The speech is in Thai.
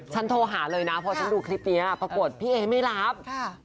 โทรหาเลยนะพอฉันดูคลิปนี้ปรากฏพี่เอ๊ไม่รับ